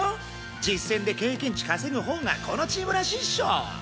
実戦で経験値稼ぐほうがこのチームらしいっしょ！